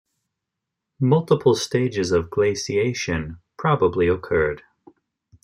Multiple stages of glaciation probably occurred.